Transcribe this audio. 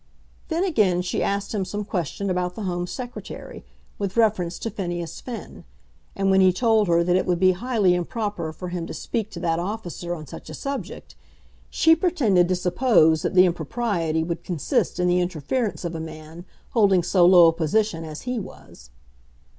Then again she asked him some question about the Home Secretary, with reference to Phineas Finn; and when he told her that it would be highly improper for him to speak to that officer on such a subject, she pretended to suppose that the impropriety would consist in the interference of a man holding so low a position as he was.